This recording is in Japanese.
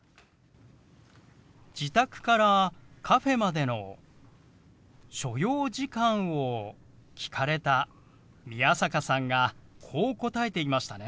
自宅からカフェまでの所要時間を聞かれた宮坂さんがこう答えていましたね。